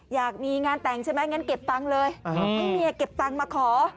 อยากมีงานแต่งใช่ไหมงั้นเก็บตังค์เลยให้เมียเก็บตังค์มาขอ